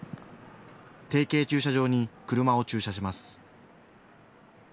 提携駐車場に車を駐車します。